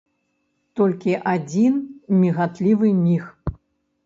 Толькі адзін мігатлівы міг.